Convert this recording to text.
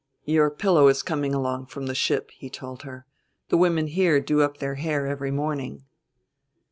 "Your pillow is coming along from the ship," he told her; "the women here do up their hair every morning."